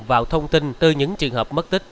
vào thông tin từ những trường hợp mất tích